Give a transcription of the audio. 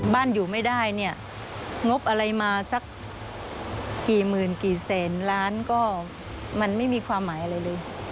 บ้านอยู่ไม่ได้เนี่ยงบอะไรมาสักกี่หมื่นกี่แสนล้านก็มันไม่มีความหมายอะไรเลย